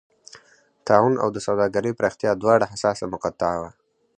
طاعون او د سوداګرۍ پراختیا دواړه حساسه مقطعه وه.